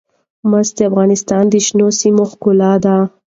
مس د افغانستان د شنو سیمو ښکلا ده.